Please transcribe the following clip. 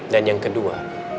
dan yang kedua